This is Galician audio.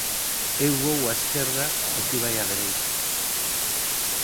Eu vou á esquerda e ti vai á dereita.